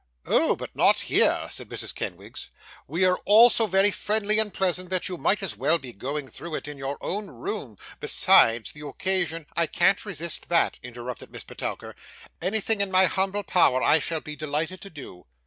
'Oh, but not here!' said Mrs. Kenwigs. 'We are all so very friendly and pleasant, that you might as well be going through it in your own room; besides, the occasion ' 'I can't resist that,' interrupted Miss Petowker; 'anything in my humble power I shall be delighted to do.